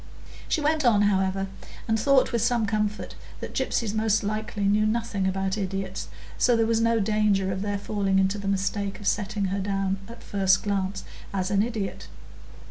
She went on, however, and thought with some comfort that gypsies most likely knew nothing about idiots, so there was no danger of their falling into the mistake of setting her down at the first glance as an idiot.